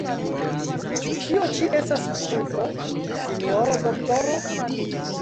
Ĉu tio ĉi estas krupo, sinjoro doktoro?